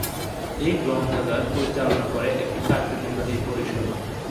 এই গ্রন্থাগার পরিচালনা করে একটি কার্যনির্বাহী পরিষদ।